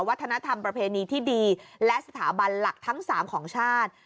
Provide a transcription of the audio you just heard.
วัฒนธรรมประเพณีที่ดีและสถาบันหลักทั้ง๓ของชาติ